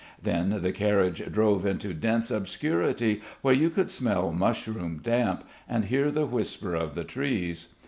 Then the carriage drove into dense obscurity where you could smell mushroom damp, and hear the whisper of the trees.